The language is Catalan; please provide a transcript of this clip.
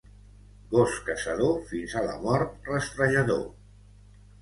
Gos caçador fins a la mort rastrejador.